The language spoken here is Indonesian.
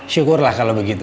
syukur lah kalau begitu